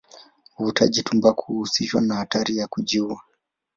Uvutaji tumbaku huhusishwa na hatari ya kujiua.